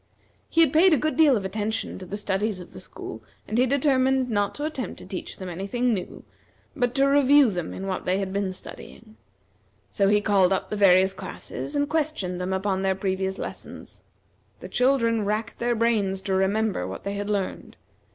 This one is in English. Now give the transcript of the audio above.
He had paid a good deal of attention to the studies of the school, and he determined not to attempt to teach them any thing new, but to review them in what they had been studying; so he called up the various classes, and questioned them upon their previous lessons. The children racked their brains to remember what they had learned.